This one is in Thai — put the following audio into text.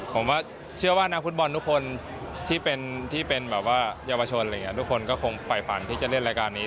ผมว่าเชื่อว่านางคุณบอลทุกคนที่เป็นเยาวชนทุกคนก็คงฝ่ายฝันที่จะเล่นรายการนี้